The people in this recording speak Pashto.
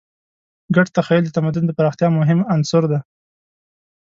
ګډ تخیل د تمدن د پراختیا مهم عنصر دی.